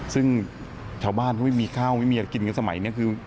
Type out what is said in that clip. ซึ่งชาวบ้านเขาไม่มีข้าวไม่มีอะไรกินกันสมัยนี้คือ